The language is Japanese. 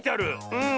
うん。